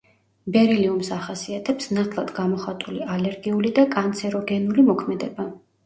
ბერილიუმს ახასიათებს ნათლად გამოხატული ალერგიული და კანცეროგენული მოქმედება.